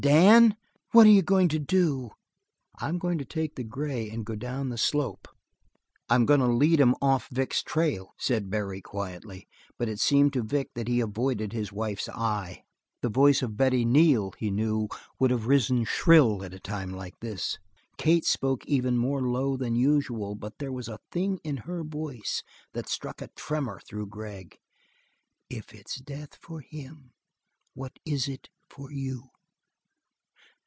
"Dan, what are you going to do?" "I'm going to take the gray and go down the slope. I'm going to lead 'em off Vic's trail," said Barry quietly, but it seemed to Vic that he avoided his wife's eye. The voice of Betty Neal, Vic knew, would have risen shrill at a time like this. Kate spoke even more low than usual, but there was a thing in her voice that struck a tremor through Gregg. "If it's death for him, what is it for you?"